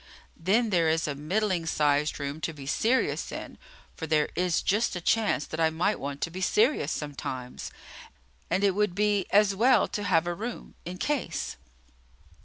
Then, there is a middling sized room to be serious in; for there is just a chance that I might want to be serious sometimes, and it would be as well to have a room, in case."